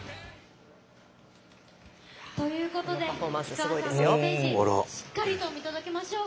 ということで氷川さんのステージしっかりと見届けましょう。